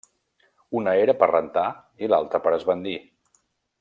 Una era per rentar i l'altre per esbandir.